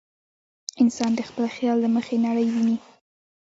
انسان د خپل خیال له مخې نړۍ ویني.